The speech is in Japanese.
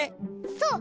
そう！